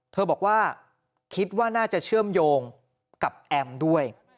บอกว่าคิดว่าน่าจะเชื่อมโยงกับแอมด้วย